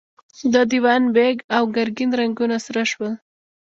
د دېوان بېګ او ګرګين رنګونه سره شول.